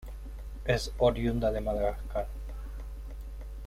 Es oriunda de Madagascar.